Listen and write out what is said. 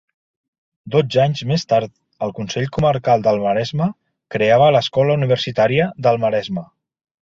Dotze anys més tard el Consell Comarcal del Maresme creava l’Escola Universitària del Maresme.